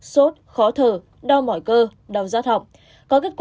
sốt khó thở đau mỏi cơ đau giác họng